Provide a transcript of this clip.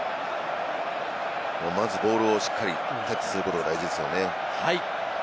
まずボールをしっかりキャッチすることが大事ですね。